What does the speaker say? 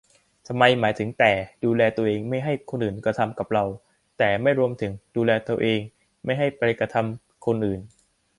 ทำไมหมายถึงแต่ ดูแลตัวเองไม่ให้คนอื่นกระทำกับเรา แต่ไม่รวมถึง ดูแลตัวเองไม่ให้ไปกระทำคนอื่น ?